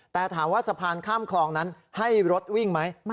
แต่ถามว่าสะพานข้ามคลองนั้นให้รถวิ่งไหม